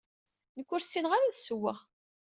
Nekk ur ssineɣ ara ad ssewweɣ.